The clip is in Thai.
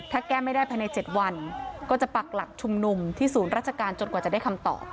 ถ้าแก้ไม่ได้ภายใน๗วันก็จะปักหลักชุมนุมที่ศูนย์ราชการจนกว่าจะได้คำตอบ